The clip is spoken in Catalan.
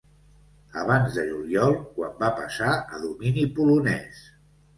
Abans de juliol, quan va passar a domini polonès.